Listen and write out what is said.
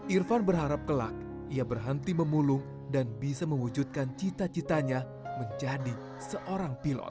irfan berharap kelak ia berhenti memulung dan bisa mewujudkan cita citanya menjadi seorang pilot